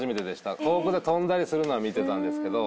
遠くで跳んだりするのは見てたんですけど。